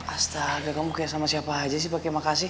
astaga kamu kayak sama siapa aja sih pakai makasih